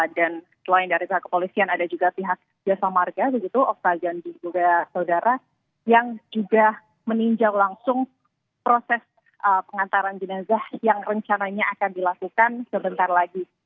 dan selain dari pihak kepolisian ada juga pihak jasa marga begitu oktav dan juga saudara yang juga meninjau langsung proses pengantaran jenazah yang rencananya akan dilakukan sebentar lagi